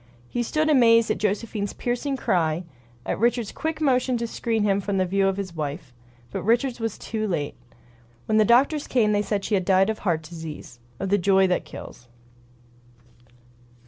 He stood amazed at Josephine's piercing cry; at Richards' quick motion to screen him from the view of his wife. But Richards was too late. When the doctors came they said she had died of heart disease — of the joy that kills.